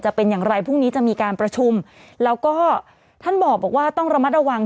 จะเป็นอย่างไรพรุ่งนี้จะมีการประชุมแล้วก็ท่านบอกว่าต้องระมัดระวัง